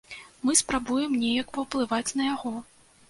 Мы спрабуем неяк паўплываць на яго.